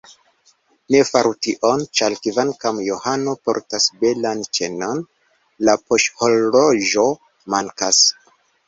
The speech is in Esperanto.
Ne faru tion, ĉar kvankam Johano portas belan ĉenon, la poŝhorloĝo mankas.